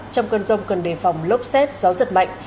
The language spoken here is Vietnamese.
trong cơn rông cần đề phòng lốc xét gió giật mạnh